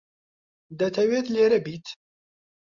دەتەوێت لێرە بیت؟